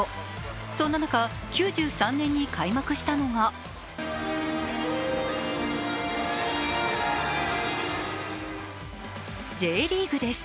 そんな中、９３年に開幕したのがＪリーグです。